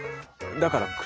だから栗。